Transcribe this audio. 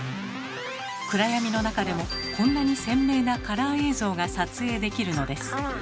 暗闇の中でもこんなに鮮明なカラー映像が撮影できるのです。